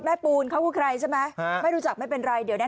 โอ้แม่ปูบูเขาคือใครใช่ไหมไม่รู้จักไม่เป็นไรเดี๋ยวแนะ